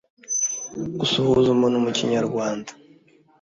Gusuhuza umuntu mu Kinyarwanda